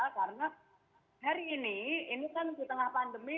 karena hari ini ini kan di tengah pandemi